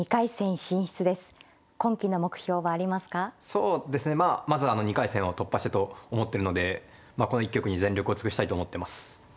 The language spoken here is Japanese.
そうですねまあまずは２回戦を突破してと思ってるのでこの一局に全力を尽くしたいと思ってます。